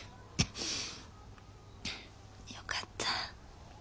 よかった。